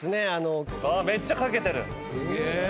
めっちゃ掛けてる。